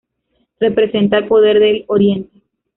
Representa al poder del Oriente.